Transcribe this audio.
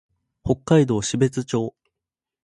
北海道標津町